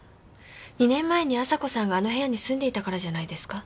２年前に亜沙子さんがあの部屋に住んでいたからじゃないですか？